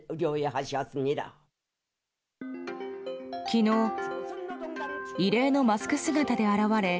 昨日、異例のマスク姿で現れ